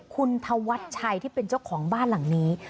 คุณธวัชชัยที่เป็นเจ้าของบ้านหลังนี้